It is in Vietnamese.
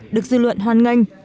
được dư luận hoàn ngành